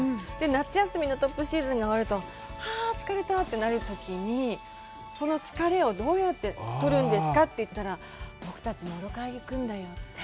夏休みのトップシーズンが終わるとはあ疲れたってなるときに、その疲れをどうやって取るんですかって言ったら、僕たちモロカイ行くんだよって。